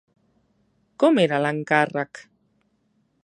Com era l'encàrrec?